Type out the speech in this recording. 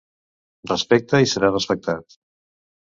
Respecta i seràs respectat.